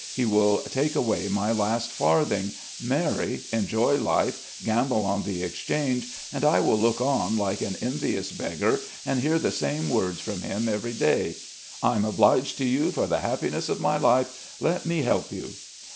He will take away my last farthing, marry, enjoy life, gamble on the Exchange, and I will look on like an envious beggar and hear the same words from him every day: 'I'm obliged to you for the happiness of my life. Let me help you.'